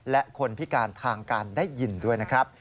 และคนพิการทางการได้ยินด้วยนะครับ